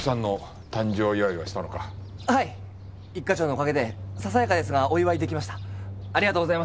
一課長のおかげでささやかですがお祝い出来ました。